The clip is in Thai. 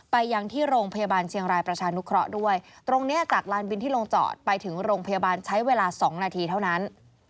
ยังที่โรงพยาบาลเชียงรายประชานุเคราะห์ด้วยตรงเนี้ยจากลานบินที่ลงจอดไปถึงโรงพยาบาลใช้เวลาสองนาทีเท่านั้น